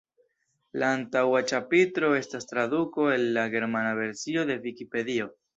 La antaŭa ĉapitro estas traduko el la germana versio de vikipedio.